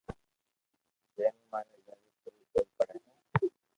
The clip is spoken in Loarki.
جي مو ماري گھر ري پوري ڪوئي پڙي ھي